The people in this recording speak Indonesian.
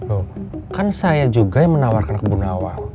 oh kan saya juga yang menawarkan ke bu nawang